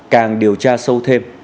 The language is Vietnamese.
càng điều tra sâu thêm